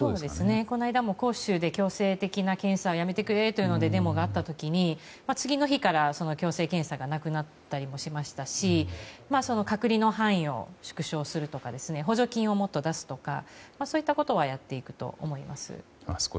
この間も広州で強制的な検査はやめてくれというデモがあったときに次の日から強制検査がなくなったりもしましたし隔離の範囲を縮小するとか補助金をもっと出すとかそういったことをやっていくと思います。